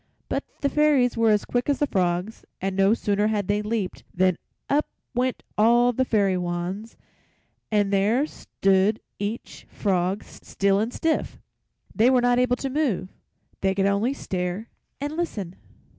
But the Fairies were as quick as the frogs, and no sooner had they leaped than up went all the fairy wands, and there stood each frog still and stiff. They were not able to move; they could only stare and listen.